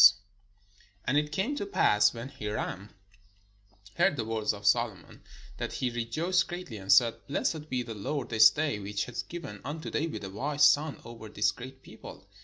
563 PALESTINE And it came to pass, when Hiram heard the words of Solomon, that he rejoiced greatly, and said, "Blessed be the Lord this day, which hath given imto David a wise son over this great people."